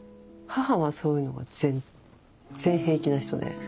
母はそういうのは全然平気な人で。